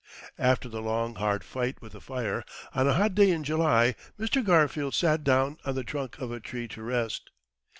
After the long, hard fight with the fire, on a hot day in July, Mr. Garfield sat down on the trunk of a tree to rest.